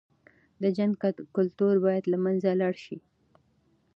د جنګ کلتور بايد له منځه لاړ شي.